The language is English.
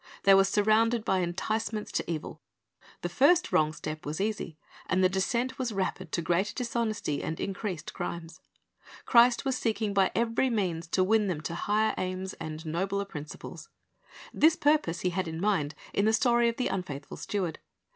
They were surrounded by enticements to evil. The first wrong step was easy, and the descent was rapid to greater dishonesty and increased crimes, Christ was seeking by every means to win them to higher aims and nobler principles. This purpose He had in mind in the story of the unfaithful steward.